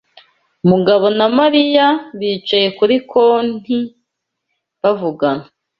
Mugabo na Mariya bicaye kuri konti bavugana.